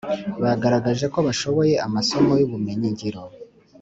bagaragaje ko bashoboye amasomo y’ubumenyi ngiro